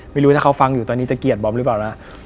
ไม่รู้ถ้าเขาฟังอยู่ตอนนี้จะเกลียดบอมหรือเปล่านะ